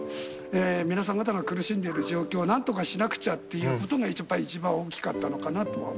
皆さん方が苦しんでる状況をなんとかしなくちゃっていうことがやっぱり一番大きかったのかな